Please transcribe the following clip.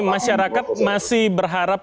masyarakat masih berharap